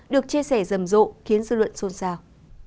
được chia sẻ rầm rộ khiến dư luận xôn xao